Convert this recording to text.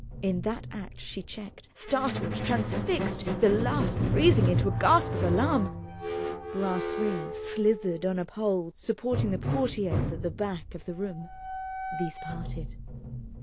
In that act she checked, startled, transfixed, the laugh freezing into a gasp of alarm. Brass rings slithered on a pole supporting the portières at the back of the room. These parted.